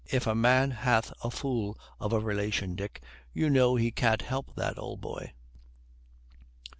If a man hath a fool of a relation, Dick, you know he can't help that, old boy."